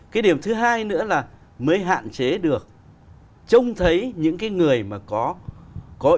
cái điểm thứ hai nữa là mới hạn chế được trông thấy những cái người mà có ý